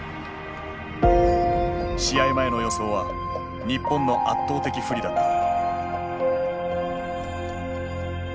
試合前の予想は日本の圧倒的不利だった。